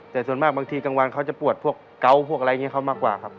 แต่ส่วนมากบางทีกลางวันเขาจะปวดพวกเกาะพวกอะไรอย่างนี้เขามากกว่าครับ